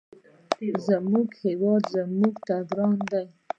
زموږ هېواد موږ ته ګران دی.